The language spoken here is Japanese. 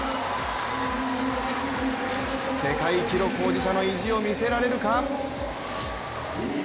世界記録保持者の意地を見せられるか？